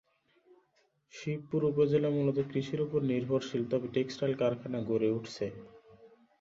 শিবপুর উপজেলা মূলত কৃষির উপর নির্ভরশীল তবে টেক্সটাইল কারখানা গড়ে উঠেছে।